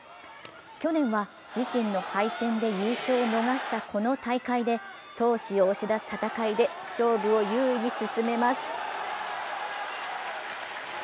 去年は自身の敗戦で優勝を逃したこの大会で闘志を押し出す戦いで勝負を優位に進めます。